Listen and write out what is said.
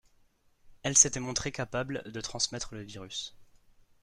Elles s'étaient montrées capables de transmettre le virus.